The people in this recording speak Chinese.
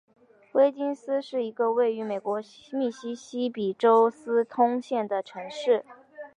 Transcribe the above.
威金斯是一个位于美国密西西比州斯通县的城市。